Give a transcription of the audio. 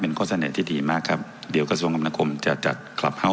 เป็นข้อเสนอที่ดีมากครับ